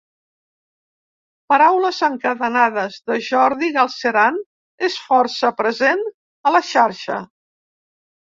Paraules encadenades de Jordi Galceran és força present a la xarxa.